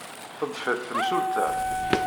Teḍḍef-it temsulta.